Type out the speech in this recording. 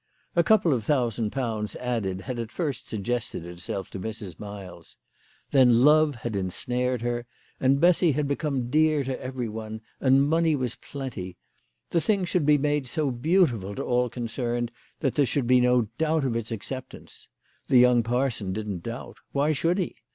A couple of thousand pounds added had at first suggested itself to Mrs. Miles. Then love had ensnared her, and Bessy had become dear to every one, and money was plenty. The thing should be made so beautiful to all concerned that there should be no doubt of its acceptance. The young parson didn't doubt. "Why should he?